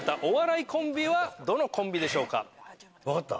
分かった？